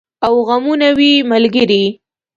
او غمونه وي ملګري